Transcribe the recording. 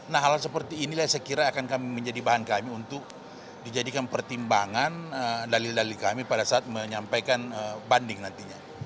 nah hal seperti inilah yang saya kira akan kami menjadi bahan kami untuk dijadikan pertimbangan dalil dalil kami pada saat menyampaikan banding nantinya